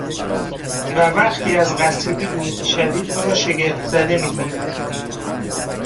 و وقتی از قصیده دور می شوی تو را شگفتزده میکند